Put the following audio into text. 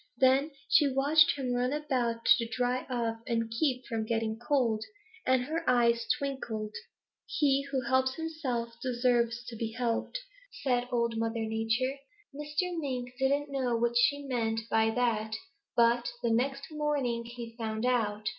Then she watched him run about to dry off and keep from getting cold, and her eyes twinkled. "'He who helps himself deserves to be helped,' said Old Mother Nature. Mr. Mink didn't know what she meant by that, but the next morning he found out.